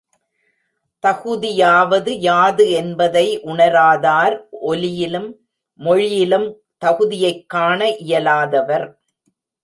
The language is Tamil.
தகுதியாவது யாது என்பதை உணராதார், ஒலியிலும் மொழியிலும் தகுதியைக் காண இயலாதவர்.